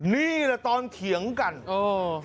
พี่เอามาเป็นสัตว์